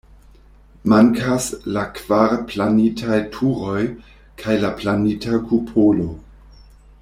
Mankas la kvar planitaj turoj kaj la planita kupolo.